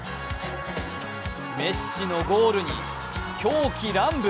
メッシのゴールに狂喜乱舞。